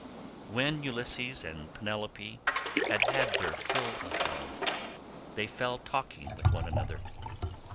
When Ulysses and Penelope had had their fill of love they fell talking with one another.